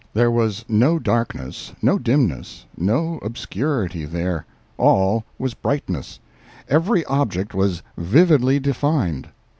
There was no darkness, no dimness, no obscurity there. All was brightness, every object was vividly defined.